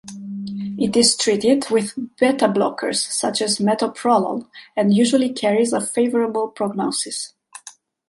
It is treated with beta-blockers, such as metoprolol, and usually carries a favorable prognosis.